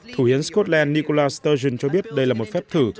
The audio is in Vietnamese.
thủ yến scotland nicola sturgeon cho biết đây là một phép thử